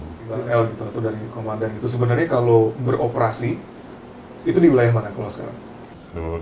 l itu dari komandan itu sebenarnya kalau beroperasi itu di wilayah mana kalau sekarang